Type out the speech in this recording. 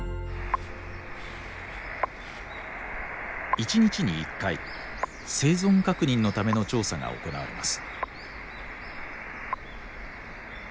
一日に１回生存確認のための調査が行われます。